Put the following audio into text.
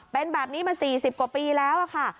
เป็นแบบนี้มา๔๐กว่าปีแล้วค่ะ